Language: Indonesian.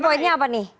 jadi poinnya apa nih